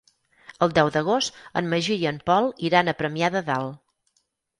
El deu d'agost en Magí i en Pol iran a Premià de Dalt.